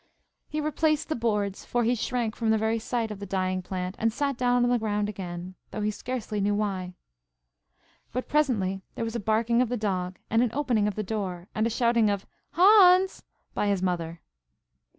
He replaced the boards, for he shrank from the very sight of the dying plant, and sat down on the ground again, though he scarcely knew why. But presently there was a barking of the dog, and an opening of the door, and a shouting of "Hans!" by his mother.